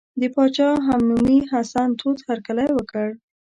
د پاچا همنومي حسن تود هرکلی وکړ.